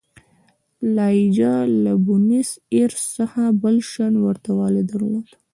لا رایجا له بونیس ایرس څخه بل شان ورته والی درلود.